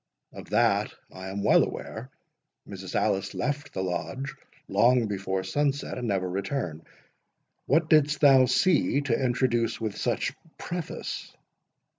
"Of that I am well aware. Mrs. Alice left the Lodge long before sunset, and never returned. What didst thou see to introduce with such preface?"